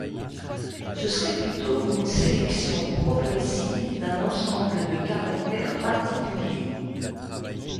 Ce serait plutôt une sélection progressive d'un ensemble de caractères particuliers.